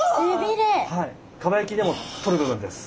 蒲焼きでも取る部分です。